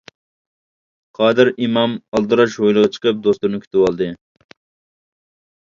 قادىر ئىمام ئالدىراش ھويلىغا چىقىپ دوستلىرىنى كۈتۈۋالدى.